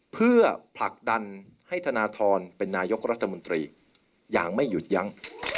เพื่อผลักดันให้ธนทรเป็นนายกรัฐมนตรีอย่างไม่หยุดยั้ง